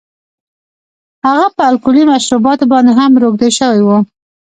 هغه په الکولي مشروباتو باندې هم روږدی شوی و